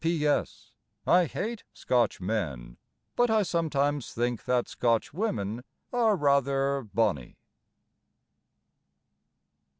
P.S. I hate Scotch men, But I sometimes think that Scotch women Are rather bonnie.